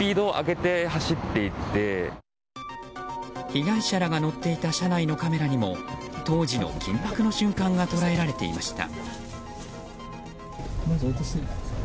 被害者らが乗っていた車内のカメラにも当時の緊迫の瞬間が捉えられていました。